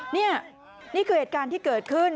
เนี่ยนี่คือเอกอาร์ทที่เกิดขึ้น